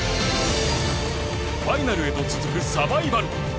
ファイナルへと続くサバイバル。